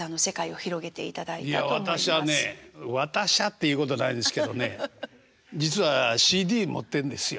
いやわたしゃねわたしゃって言うことないですけどね実はＣＤ持ってんですよ。